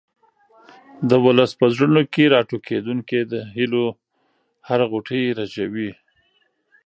د ولس په زړونو کې راټوکېدونکې د هیلو هره غوټۍ رژوي.